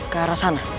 ke arah sana